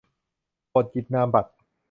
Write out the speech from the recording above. โปรดหยิบนามบัตร